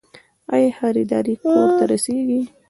آیا خریداري کور ته رسیږي؟